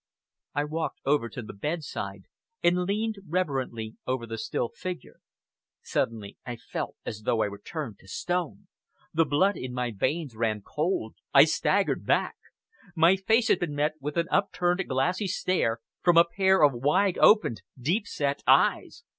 I walked over to the bedside, and leaned reverently over the still figure. Suddenly I felt as though I were turned to stone. The blood in my veins ran cold, I staggered back. My gaze had been met with an upturned glassy stare from a pair of wide opened, deep set eyes!